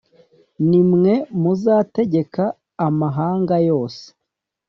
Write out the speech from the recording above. Nimwe muzategeka amahanga yose